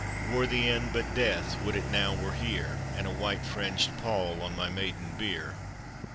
Were the end but death, would it now were here, And a white fringod pall on my maiden bier."